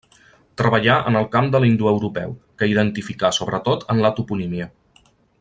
Treballà en el camp de l'indoeuropeu, que identificà sobretot en la toponímia.